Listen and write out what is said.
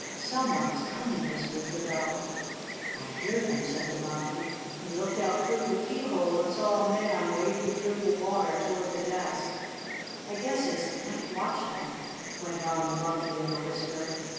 "Some one is coming!" whispered the Doll. "I hear them," said the Monkey. He looked out through the keyhole and saw a man wading through the water toward the desk. "I guess it's the night watchman," went on the Monkey in a whisper.